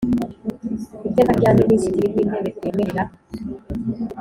Iteka rya Minisitiri w Intebe ryemerera